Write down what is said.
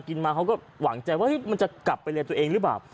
มาเขาก็หวังใจว่ามันจะกลับไปเรียนตัวเองหรือเปล่า